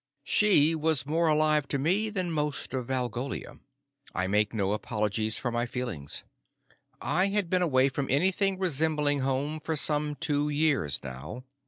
She was more alive to me than most of Valgolia. I make no apologies for my feelings. I had been away from anything resembling home for some two years now.